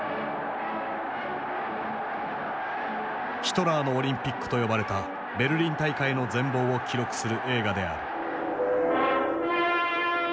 「ヒトラーのオリンピック」と呼ばれたベルリン大会の全貌を記録する映画である。